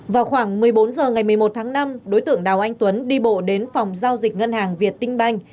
vào khoảng một mươi bốn h ngày một mươi một tháng năm đối tượng đào anh tuấn đi bộ đến phòng giao dịch ngân hàng việt tinh banh